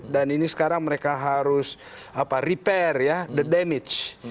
dan ini sekarang mereka harus repair ya the damage